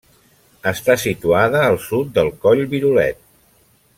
Està situada al sud del Coll Virolet.